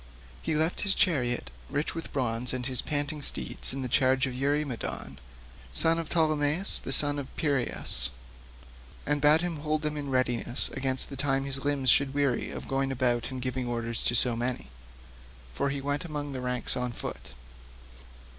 He left his chariot rich with bronze and his panting steeds in charge of Eurymedon, son of Ptolemaeus the son of Peiraeus, and bade him hold them in readiness against the time his limbs should weary of going about and giving orders to so many, for he went among the ranks on foot.